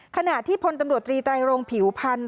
ขณะที่พลตำรวจตรีไตรโรงผิวพันธ์